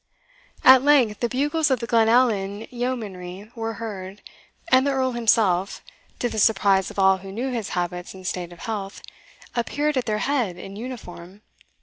At length the bugles of the Glenallan yeomanry were heard, and the Earl himself, to the surprise of all who knew his habits and state of health, appeared at their head in uniform.